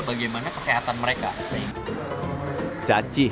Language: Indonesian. bagaimana kesehatan mereka cacih keeper panda mengatakan selama berada di lembaga konservasi